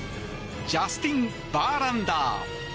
ジャスティン・バーランダー。